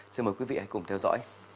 xin mời quý vị hãy cùng theo dõi